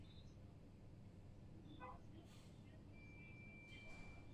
mkataba huo haukutumika kwa zaidi ya miongo minne